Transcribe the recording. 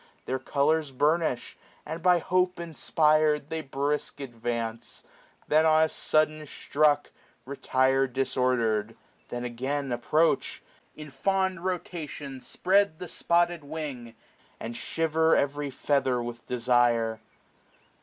Their colours burnish, and by hope inspired, They brisk advance ; then on a sudden struck. Retire disordered ; then again approach j 625 SPRING. 25 In fond rotation spread the spotted wing. And shiver every feather with desire.